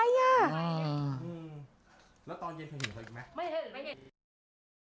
แล้วตอนเย็นเธอเห็นเธออีกไหมไม่เห็นไม่เห็น